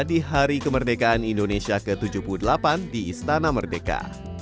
di hari kemerdekaan indonesia ke tujuh puluh delapan di istana merdeka